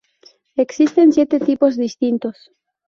Existen siete tipos distintos.